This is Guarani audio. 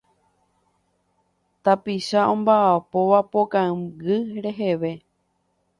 Tapicha omba'apóva po kangy reheve.